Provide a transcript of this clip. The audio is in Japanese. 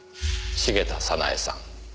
茂田早奈江さん。